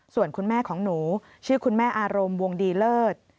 ส่วนคุณแม่ของหนูชื่อคุณแม่อารมณ์วงดีเลิศ